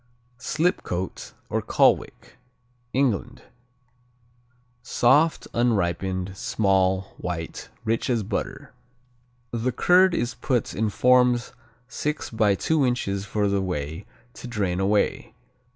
Slipcote, or Colwick England Soft; unripened; small; white; rich as butter. The curd is put in forms six by two inches for the whey to drain away.